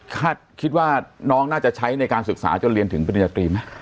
คิดว่าน้องน่าจะใช้ในการศึกษาจนเรียนถึงปริญญาตรีไหม